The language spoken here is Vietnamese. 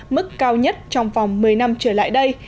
mức cao nhất trong vòng một mươi năm trở lại đây